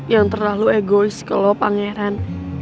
yang terlalu egois ke lo pangeran